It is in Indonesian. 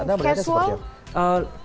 pampilan yang casual